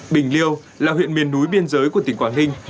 bình liêu là huyện miền núi biên giới của tỉnh quảng ninh